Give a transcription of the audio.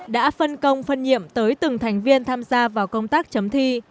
đã phân công phân nhiệm tới từng thành viên tham gia vào công tác chấm thi